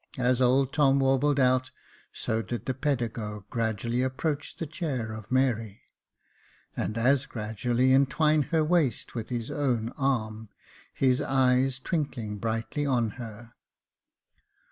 As old Tom warbled out, so did the pedagogue gradually approach the chair of Mary ; and as gradually entwine her waist with his own arm, his eyes twinkling brightly on her.